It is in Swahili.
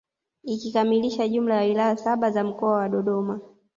Ikikamilisha jumla ya wilaya saba za mkoa wa Dodoma